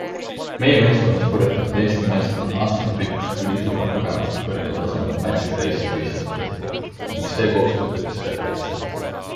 Meie meeskonnas purjetanud Eesti meestel on aastatepikkused ülisuured kogemused kõrgel tasemel match race'i võistlustelt, ning see koostöö töötas perfektselt.